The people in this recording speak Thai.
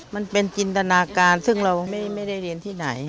มันเป็นจินตนาการซึ่งเราไม่ได้เรียนที่ไหน